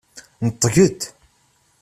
Neṭget!